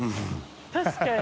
確かに。